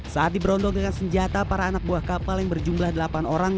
saat diberondong dengan senjata para anak buah kapal yang berjumlah delapan orang